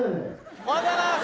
おはようございます